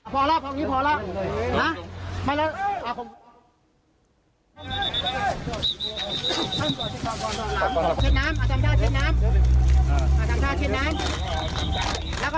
พอแล้วพวกนี้พอแล้ว